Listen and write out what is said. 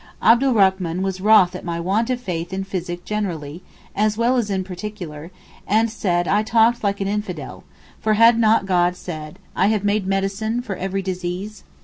Abdurrachman was wroth at my want of faith in physic generally, as well as in particular, and said I talked like an infidel, for had not God said, 'I have made a medicine for every disease?